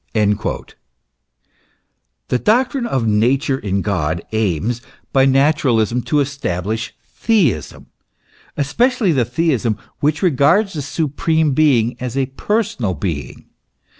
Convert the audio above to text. "* The doctrine of Nature in God aims, by naturalism, to establish theism, especially the theism which regards the Su preme Being as a personal being.